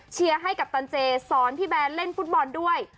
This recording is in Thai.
ให้กัปตันเจสอนพี่แบนเล่นฟุตบอลด้วย